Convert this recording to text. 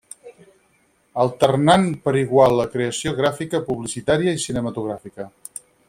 Alternant per igual la creació gràfica publicitària i cinematogràfica.